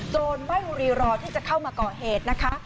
จนไม่รีรอที่จะเข้ามาก่อเหตุนะคะ